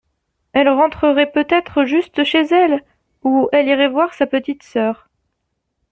Elle rentrerait peut-être juste chez elle, ou elle irait voir sa petite sœur.